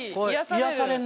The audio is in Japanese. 癒やされる。